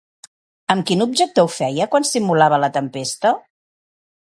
Amb quin objecte ho feia quan simulava la tempesta?